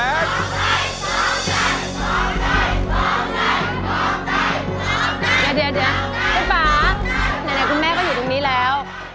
ในในคุณแม่ก็อยู่ตรงนี้แล้ว